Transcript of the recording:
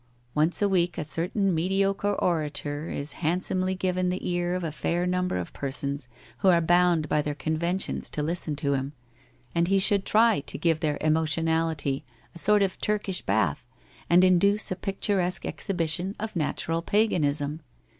Once a week a certain mediocre orator is handsomely given the ear of a fair number of persons who are bound by their conventions to listen to him, and he should try to give their emotionality a sort of Turkish bath and induce a picturesque exhibition of natural paganism.